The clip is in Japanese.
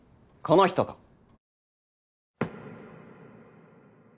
この人と。